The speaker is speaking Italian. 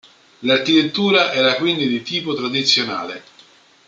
L'architettura era quindi di tipo tradizionale.